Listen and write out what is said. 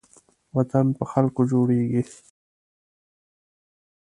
وطن په خلکو جوړېږي